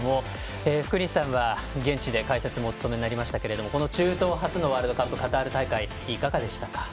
福西さんは現地で解説もお務めになりましたがこの中東初のワールドカップカタール大会いかがでしたか。